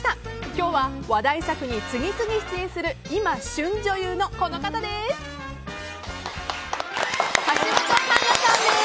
今日は、話題作に次々出演する今旬女優のこの方です。